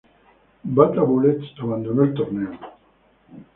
Bata Bullets abandonó el torneo.